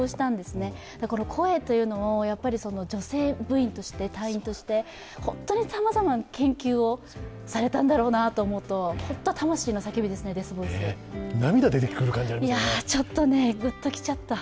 なので、声というのを女性部員として、隊員として本当にさまざまな研究をされたんだろうなと思うとホント魂の叫びですね、デスボイスちょっとグッと来ちゃった。